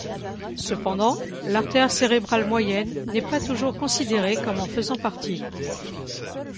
Cependant, l'artère cérébrale moyenne n'est pas toujours considérée comme en faisant partie.